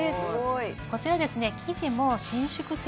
こちらですね